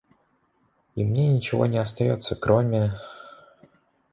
И мне ничего не остается, кроме...